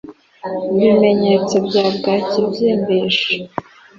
bimenyetso bya bwaki ibyimbisha